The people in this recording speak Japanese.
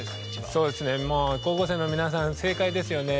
そうですね高校生の皆さん正解ですよね。